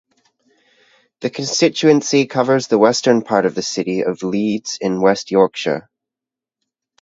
The constituency covers the western part of the city of Leeds in West Yorkshire.